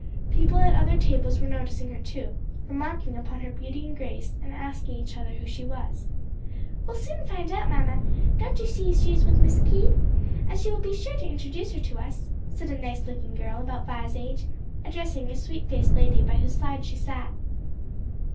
People at other tables were noticing her too, remarking upon her beauty and grace, and asking each other who she was. "We'll soon find out, mamma; don't you see she is with Miss Keith? and she will be sure to introduce her to us," said a nice looking girl about Vi's age, addressing a sweet faced lady by whose side she sat.